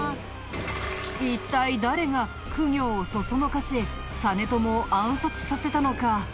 一体誰が公暁をそそのかし実朝を暗殺させたのか。